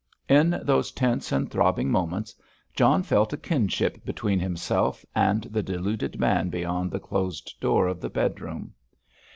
In those tense and throbbing moments John felt a kinship between himself and the deluded man beyond the closed door of the bedroom.